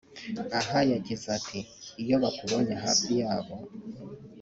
aha yagize ati “iyo bakubonye hafi yabo